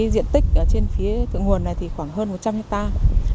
diện tích trên phía thượng nguồn này thì khoảng hơn một trăm linh hectare